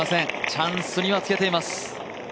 チャンスにはつけています。